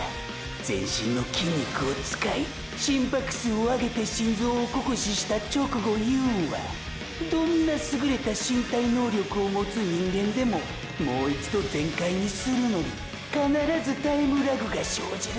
全身の筋肉を使い心拍数を上げて心臓を酷使した直後いうんはどんな優れた身体能力を持つ人間でももう一度全開にするのに必ずタイムラグが生じる！！